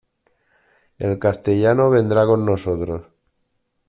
El castellano vendrá con nosotros.